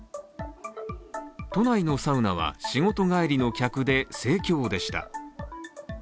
都内のサウナは、仕事帰りの客で盛況でした。